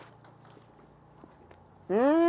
うん！